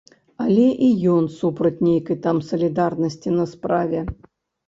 Але і ён супраць нейкай там салідарнасці на справе.